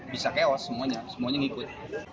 bisa chaos semuanya semuanya ngikut